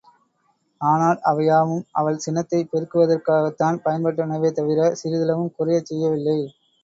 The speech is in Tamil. ஆனால், அவை யாவும் அவள் சினத்தைப் பெருக்குவதற்குத்தான் பயன்பட்டனவே தவிர, சிறிதளவும் குறையச் செய்யவில்லை.